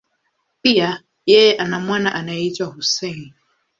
Pia, yeye ana mwana anayeitwa Hussein.